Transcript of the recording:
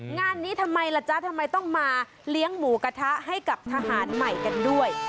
งานนี้ทำไมล่ะจ๊ะทำไมต้องมาเลี้ยงหมูกระทะให้กับทหารใหม่กันด้วย